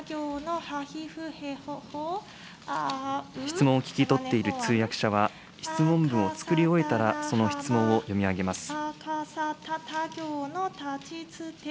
質問を聞き取っている通訳者は、質問文をつくり終えたら、その質問を読み上げます。